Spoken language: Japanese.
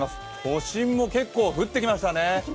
都心も結構、降ってきましたね。